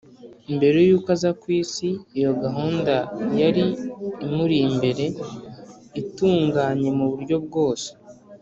Mbere y’uko aza kw’isi, iyo gahunda yari imuri imbere, itunganye mu buryo bwose